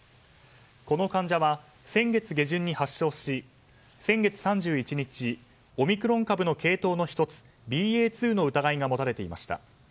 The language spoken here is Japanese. この患者は先月下旬に発症し先月３１日オミクロン株の系統の１つＢＡ．２の疑いが持たれていました。